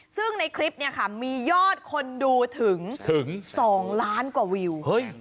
ซึ่งในคลิปเนี่ยค่ะมียอดคนดูถึง๒ล้านกว่าวิว